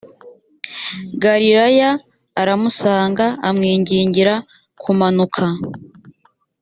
galilaya aramusanga amwingingira kumanuka